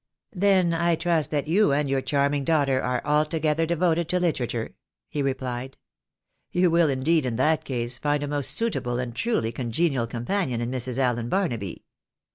"Then I trust that you and your charming daughter are altogether devoted to Uterature? " he replied. " You will, indeed, in that case find a most suitable and truly congenial companion in Mrs. Allen Barnaby.